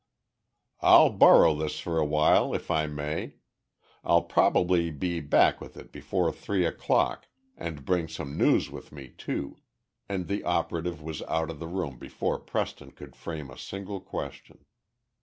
"I'll borrow this for a while, if I may. I'll probably be back with it before three o'clock and bring some news with me, too," and the operative was out of the room before Preston could frame a single question.